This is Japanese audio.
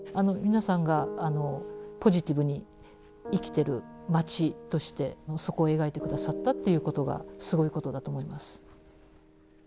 皆さんがポジティブに生きてる街としてそこを描いて下さったっていうことがすごいことだと思います。